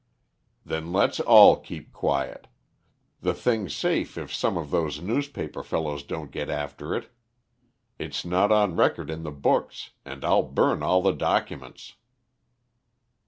"Then let's all keep quiet. The thing's safe if some of those newspaper fellows don't get after it. It's not on record in the books, and I'll burn all the documents."